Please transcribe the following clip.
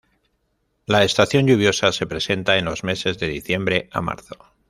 La estación lluviosa se presenta en los meses de diciembre a marzo.